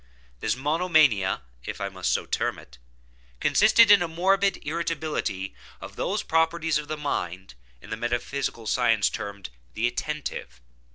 This monomania, if I must so term it, consisted in a morbid irritability of those properties of the mind in metaphysical science termed the attentive.